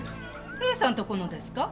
兵さんとこのですか？